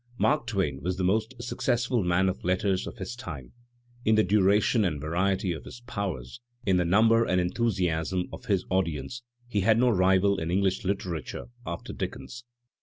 Mark Twain was the most successful man of letters of his time; in the duration and variety of his powers, in the number and enthusiasm of his audience he has no rival in Enghsh literature after Dickens.